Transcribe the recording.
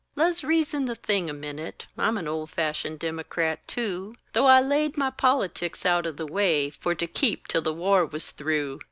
Le's reason the thing a minute: I'm an old fashioned Dimocrat too, Though I laid my politics out o' the way For to keep till the war was through.